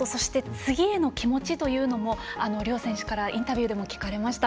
次への気持ちも両選手からインタビューでも聞かれました。